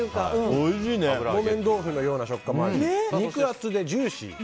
木綿豆腐のような食感もあり肉厚でジューシー。